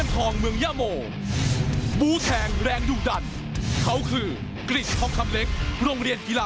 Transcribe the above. ขอบคุณครับศกสุงัยยิม